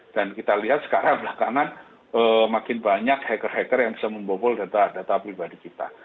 dan kita lihat sekarang belakangan makin banyak hacker hacker yang bisa membobol data data pribadi kita